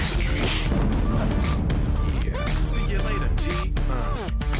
tidak dia sudah kembali